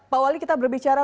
pak wali kita berbicara